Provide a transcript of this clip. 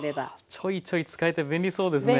ちょいちょい使えて便利そうですね。